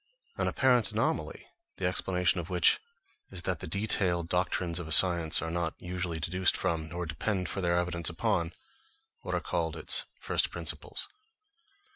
An apparent anomaly, the explanation of which is, that the detailed doctrines of a science are not usually deduced from, nor depend for their evidence upon, what are called its first principles.